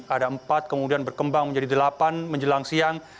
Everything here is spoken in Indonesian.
ada empat kemudian berkembang menjadi delapan menjelang siang